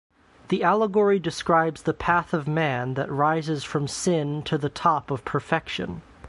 The allegory describes the path of man that rises from sin to the top of perfection.